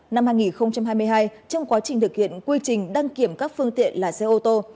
năm hai nghìn hai mươi hai trong quá trình thực hiện quy trình đăng kiểm các phương tiện là xe ô tô